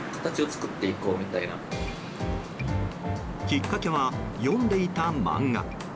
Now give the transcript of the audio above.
きっかけは読んでいた漫画。